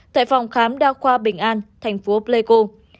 tại phòng khám đa khoa bình an thành phố pleiko